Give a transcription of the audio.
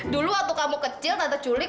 dulu waktu kamu kecil nada culik